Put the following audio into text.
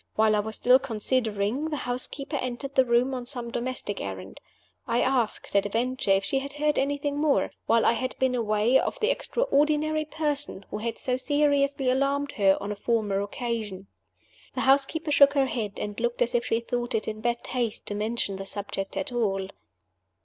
While I was still considering, the housekeeper entered the room on some domestic errand. I asked, at a venture, if she had heard anything more, while I had been away of the extraordinary person who had so seriously alarmed her on a former occasion. The housekeeper shook her head, and looked as if she thought it in bad taste to mention the subject at all.